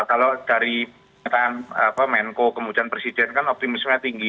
kalau dari menko kemudian presiden kan optimismenya tinggi